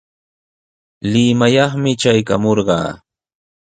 Limayaqmi traykamurqaa.